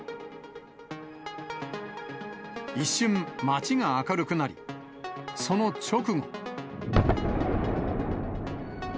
一瞬、街が明るくなり、その直後。